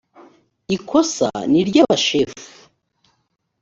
ikosa ni iry’abashefu